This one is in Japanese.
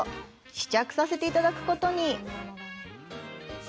試着させていただくことに。